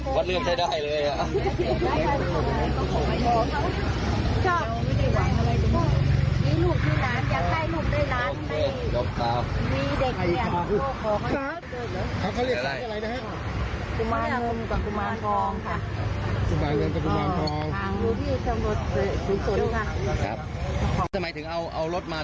เขาเรียกหรืออะไรนะครับพูดมานุ่มคุณมารทองค่ะอ่า